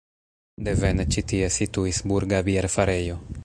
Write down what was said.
Devene ĉi tie situis burga bierfarejo.